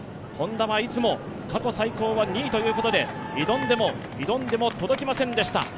Ｈｏｎｄａはいつも過去最高は２位ということで、挑んでも挑んでも届きませんでした。